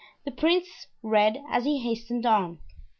The prince read as he hastened on.